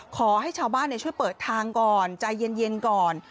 ขอให้ชาวบ้านช่วยเปิดทางก่อนใจเย็นก่อน